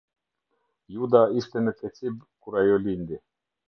Juda ishte në Kecib kur ajo lindi.